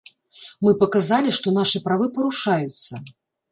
Мы паказалі, што нашы правы парушаюцца.